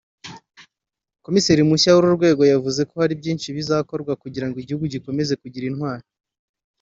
komiseri mushya w’uru rwego yavuze ko hari byinshi bizakorwa kugira ngo igihugu gikomeze kugira intwari